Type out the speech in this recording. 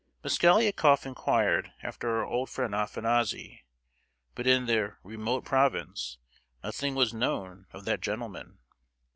Mosgliakoff inquired after our old friend Afanassy; but in their "remote province" nothing was known of that gentleman.